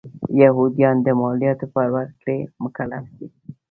یهودیان د مالیاتو په ورکړې مکلف و.